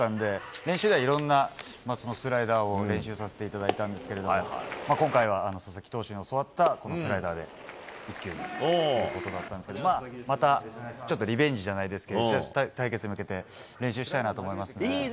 練習ではいろんなスライダーを練習させていただいたんですが今回は佐々木投手に教わったスライダーだったんですがリベンジじゃないですけど１打席対決に向けて練習したいなと思いますね。